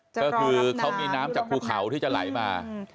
ก็คือเขามีน้ำจากภูเขาที่จะไหลมา